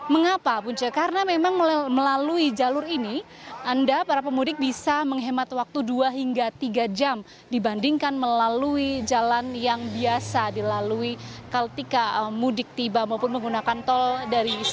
mengapa punca karena memang melalui jalur ini anda para pemudik bisa menghemat waktu dua hingga tiga jam dibandingkan melalui jalan yang biasa dilalui kaltika mudik tiba maupun menggunakan tol dari surabaya